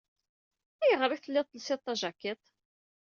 Ayɣer i telliḍ telsiḍ tajakiḍt?